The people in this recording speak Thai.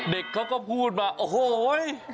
เด็กเขาก็พูดมาโอ้โห